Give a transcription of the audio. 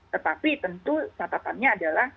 tetapi tentu catatannya adalah